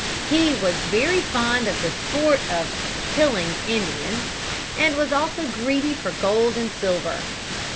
He "was very fond of the sport of killing Indians" and was also greedy for gold and silver.